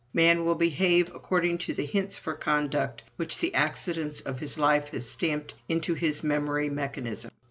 Man will behave according to the hints for conduct which the accidents of his life have stamped into his memory mechanism.